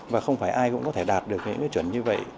và không phải ai cũng có thể đạt được những cái chuẩn như vậy